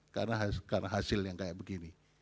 karena hasil yang kayak begini